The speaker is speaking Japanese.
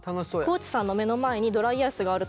地さんの目の前にドライアイスがあると思いますが。